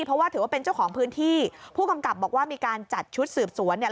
เพราะว่าถือว่าเป็นเจ้าของพื้นที่ผู้กำกับบอกว่ามีการจัดชุดสืบสวนเนี่ย